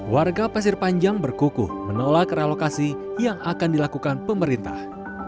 warga pasir panjang berkukuh menolak relokasi yang akan dilakukan pemerintah